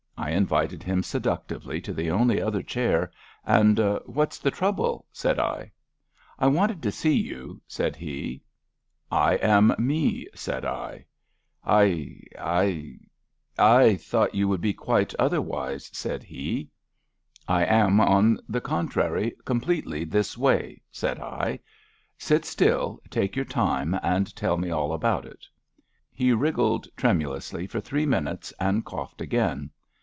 I invited him seductively to the only other chair, and What's the trouble? '* said I. I wanted to see you,*' said He. *^ I am me,'* said L I— I— I thought you would be quite other wise, *' said he. I am, on the contrary, completely this way,*' said I. *^ Sit still, take your time and tell me all about if He wriggled tremulously for three minutes, and coughed again.